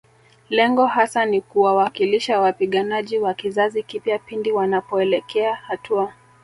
Lengo hasa ni kuwawakilisha wapiganaji wa kizazi kipya pindi wanapoelekea hatua